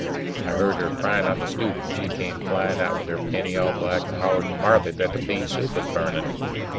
I heard her crying on the stoop, and she came flying out with her pinny all black and hollered to Marthy that the pea soup was burning.